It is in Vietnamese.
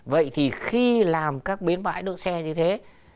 vậy thì khi làm các bến bãi đỗ xe như thế